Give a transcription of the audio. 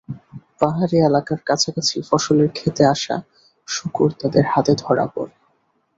পাহাড়ি এলাকার কাছাকাছি ফসলের খেতে আসা শূকর তাঁদের হাতে ধরা পড়ে।